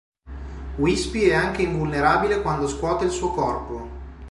Whispy è anche invulnerabile quando scuote il suo corpo.